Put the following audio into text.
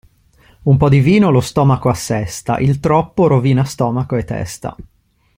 Un po' di vino lo stomaco assesta, il troppo rovina stomaco e testa.